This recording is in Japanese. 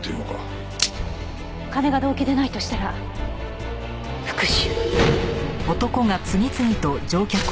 金が動機でないとしたら復讐。